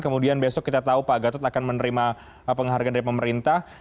kemudian besok kita tahu pak gatot akan menerima penghargaan dari pemerintah